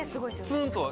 ツンと。